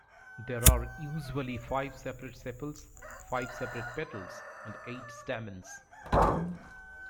There are usually five separate sepals, five separate petals and eight stamens.